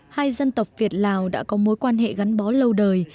hai dân tộc việt lào đã có mối quan hệ gắn bó lâu đời